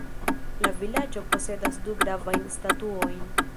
La vilaĝo posedas du gravajn statuojn.